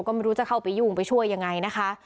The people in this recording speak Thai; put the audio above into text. ก็ไม่รู้จะเข้าไปยุ่งไปช่วยยังไงนะคะ